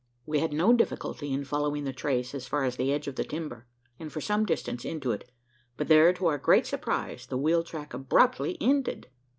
We had no difficulty in following the trace as far as the edge of the timber, and for some distance into it: but there, to our great surprise, the wheel track abruptly ended!